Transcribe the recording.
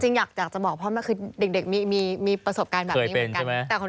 จริงอยากจะบอกพ่อแม่คือเด็กมีประสบการณ์แบบนี้เหมือนกัน